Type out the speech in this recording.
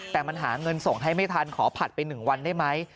แต่มันหาเงินส่งให้ไม่ทันขอผัดไป๑วันได้ไหม